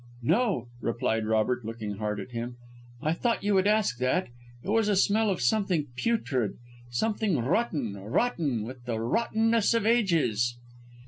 "No," replied Robert, looking hard at him "I thought you would ask that. It was a smell of something putrid something rotten, rotten with the rottenness of ages."